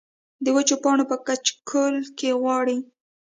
د وچو پاڼو پۀ کچکول کې غواړي